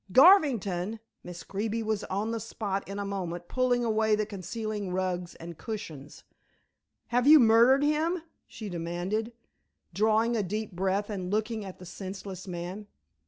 "Garvington!" Miss Greeby was on the spot in a moment pulling away the concealing rugs and cushions. "Have you murdered him?" she demanded, drawing a deep breath and looking at the senseless man.